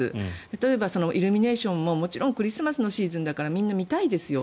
例えば、イルミネーションもクリスマスの時期だからみんな見たいですよ。